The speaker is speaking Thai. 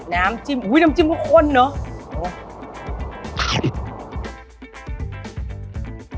น้ำจิ้มอุ้ยน้ำจิ้มก็ข้นเนอะ